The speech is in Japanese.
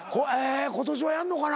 今年はやんのかな？